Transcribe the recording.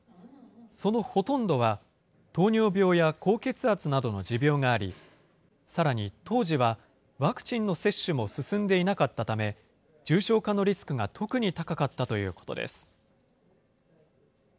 そのほとんどは、糖尿病や高血圧などの持病があり、さらに当時はワクチンの接種も進んでいなかったため、重症化のリスクが特に高かったということです。